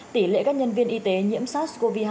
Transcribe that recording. tỷ lệ các nhân viên y tế nhiễm sars cov hai